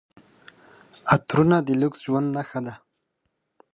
عطرونه د لوکس ژوند نښه ده.